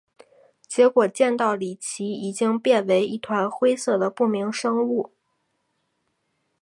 结果见到李奇已经变为一团灰色的不明生物。